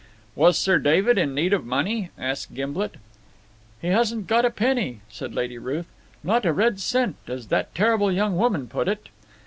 "Was Sir David in need of money?" asked Gimblet. "He hasn't got a penny," said Lady Ruth. "Not a red cent, as that terrible young woman put it.